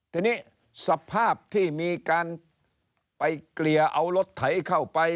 ทีนี้สภาพที่มีการไปเกลี่ยเอารถไถเข้าไป